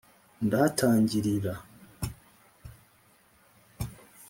Ndahatangilira